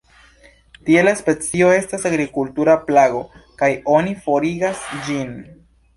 Tie la specio estas agrikultura plago kaj oni forigas ĝin.